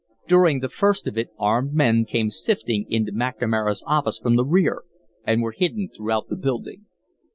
During the first of it armed men came sifting into McNamara's office from the rear and were hidden throughout the building.